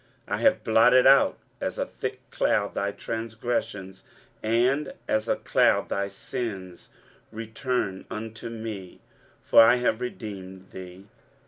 23:044:022 I have blotted out, as a thick cloud, thy transgressions, and, as a cloud, thy sins: return unto me; for I have redeemed thee.